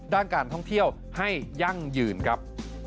ด้านการท่องเที่ยวให้ยั่งยืนครับ